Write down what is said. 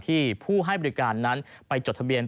ผู้ให้บริการนั้นไปจดทะเบียน